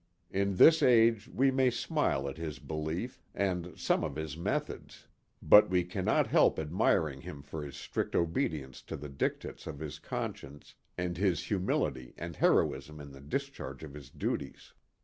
In this age we may smile at his belief, and at some of his methods ; but we cannot help admiring him for his strict obedience to the dictates of his conscience, and his humility and heroism in the discharge of his duties.